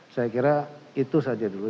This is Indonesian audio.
saya kira itu saja dulu